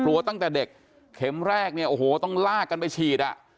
ตั้งแต่เด็กเข็มแรกเนี่ยโอ้โหต้องลากกันไปฉีดอ่ะ